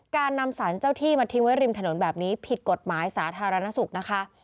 การนำสารเจ้าที่มาทิ้งไว้ริมถนนแบบนี้ผิดกฎหมายสาธารณสุขนะคะ